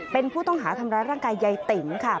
เป็นผู้ต้องหาทำร้ายร่างกายยายติ๋มค่ะ